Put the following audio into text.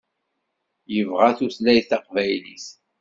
Yebɣa tutlayt taqbaylit.